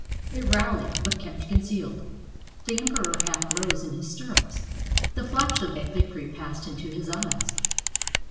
It rallied, but kept concealed. The Emperor half rose in his stirrups. The flash of a victory passed into his eyes.